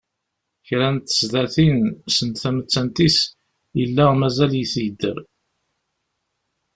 Kra n tsadatin send tamettant-is, yella mazal-it yedder.